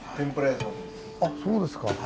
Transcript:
あっそうですか。